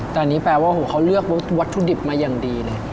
แต่อันนี้แปลว่าเขาเลือกวัตถุดิบมาอย่างดีเลย